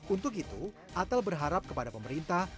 untuk itu atal berharap kepada pemerintah